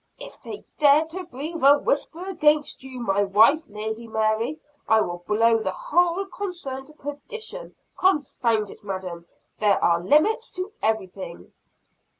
"If they dare to breathe a whisper against you, my wife, Lady Mary, I will blow the whole concern to perdition! Confound it, Madam, there are limits to everything!"